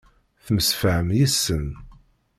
Temsefham yid-sen.